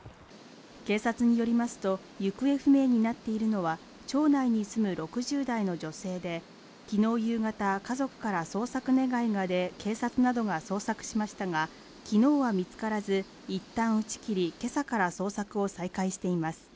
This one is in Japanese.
警察によりますと行方不明になっているのは町内に住む６０代の女性で昨日夕方、家族から捜索願が出警察などが捜索しましたがきのうは見つからずいったん打ち切りけさから捜索を再開しています